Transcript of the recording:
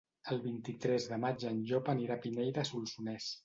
El vint-i-tres de maig en Llop anirà a Pinell de Solsonès.